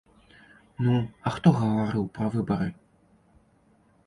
Ну, а хто гаварыў пра выбары?